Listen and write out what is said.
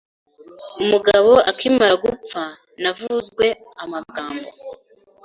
umugabo akimara gupfa navuzwe amagambo